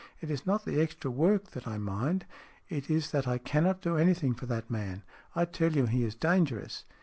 It is not the extra work that I mind. It is that I cannot do anything for that man. I tell you he is dangerous."